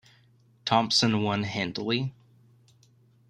Thompson won handily.